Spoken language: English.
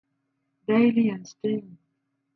Daily, and Sting.